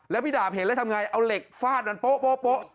แล้วพี่ดาบเห็นแล้วทำไงเอาเหล็กฟาดมันโป๊ะ